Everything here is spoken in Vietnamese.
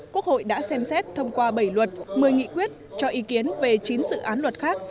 quốc hội đã xem xét thông qua bảy luật một mươi nghị quyết cho ý kiến về chín dự án luật khác